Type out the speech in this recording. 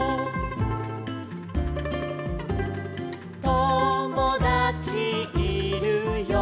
「ともだちいるよ」